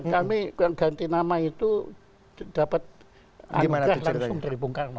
kami yang ganti nama itu dapat anggah langsung dari bung karno